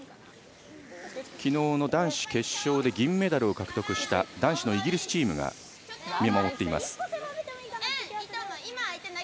昨日の男子決勝で銀メダルを獲得した男子のイギリスチームが見守っています。